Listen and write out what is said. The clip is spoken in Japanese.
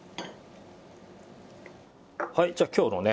はいじゃあ今日のね